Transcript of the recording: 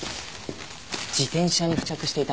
自転車に付着していた